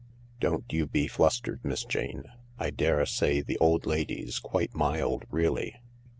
Don't you be flustered, Miss Jane. I daresay the old lady's quite mild really.